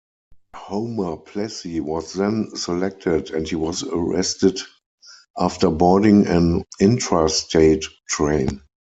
Homer Plessy was then selected and he was arrested after boarding an intrastate train.